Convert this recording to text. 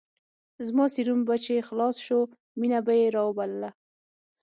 زما سيروم به چې خلاص سو مينه به يې راوبلله.